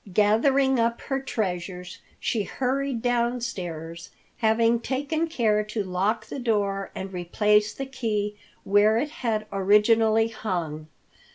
Gathering up her treasures, she hurried downstairs, having taken care to lock the door and replace the key where it had originally hung.